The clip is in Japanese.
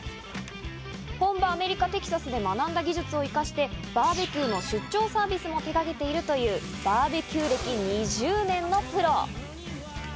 本場アメリカ・テキサスで学んだ技術を生かして、バーベキューの出張サービスも手がけているというバーベキュー歴２０年のプロ。